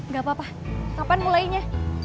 gak apa apa kapan mulainya